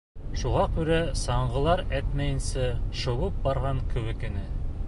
Шуға күрә саңғылар этмәйенсә шыуып барған кеүек ине.